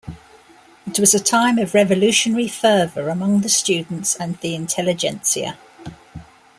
It was a time of revolutionary fervor among the students and the intelligentsia.